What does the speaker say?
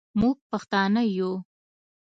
موږ پښتانه یو